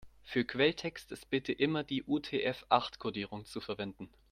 Für Quelltext ist bitte immer die UTF-acht-Kodierung zu verwenden.